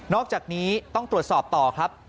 อกจากนี้ต้องตรวจสอบต่อครับ